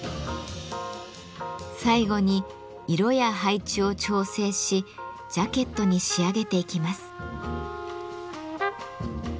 最後に色や配置を調整しジャケットに仕上げていきます。